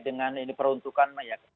dengan ini peruntukan mayat